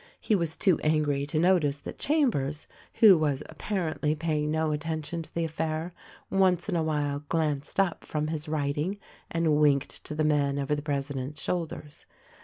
He was too angry to notice that Chambers, who was appar ently paying no attention to the affair, once in a while glanced up from his writing and winked to the men over the presi dent's shoulders.